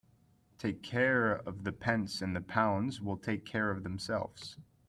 Take care of the pence and the pounds will take care of themselves.